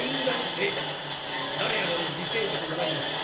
「ええ誰やらの辞世にもございます。